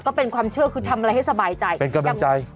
ก็เป็นความเชื่อคือทำอะไรให้สบายใจเป็นกำลังใจ